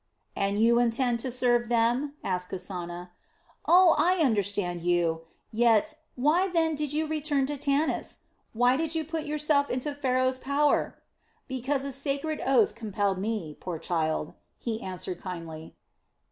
"And you intend to serve them?" asked Kasana. "Oh, I understand you. Yet.... why then did you return to Tanis? Why did you put yourself into Pharaoh's power?" "Because a sacred oath compelled me, poor child," he answered kindly.